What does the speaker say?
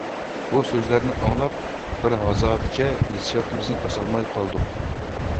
بۇ سۆزلەرنى ئاڭلاپ، بىر ھازاغىچە ھېسسىياتىمىزنى باسالماي قالدۇق.